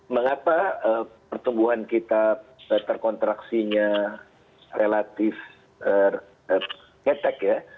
mengapa pertumbuhan kita terkontraksinya relatif ketek ya